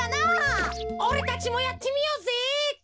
おれたちもやってみようぜ。